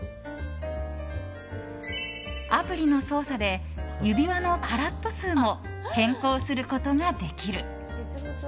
アプリの操作で指輪のカラット数も変更することができる。